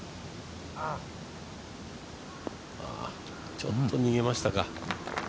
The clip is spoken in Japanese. ちょっと逃げましたか。